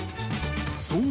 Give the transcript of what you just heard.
［そう。